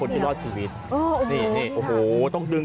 เฮ้ยเฮ้ยเฮ้ยเฮ้ย